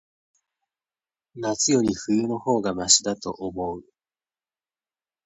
夏より、冬の方がましだと思う。